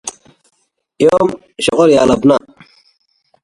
In the celebration of Tony's downfall, there is a lot of binge eating.